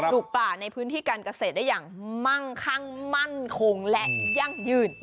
ลูกป่าในพื้นที่การเกษตรได้อย่างมั่งคั่งมั่นคงและยั่งยืน